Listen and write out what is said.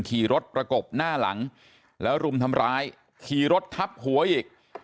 ขี่รถประกบหน้าหลังแล้วรุมทำร้ายขี่รถทับหัวอีก